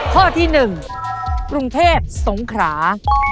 ข้อที่๑กรุงเทพสงขรา